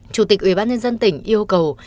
chủ tịch ubnd tỉnh yêu cầu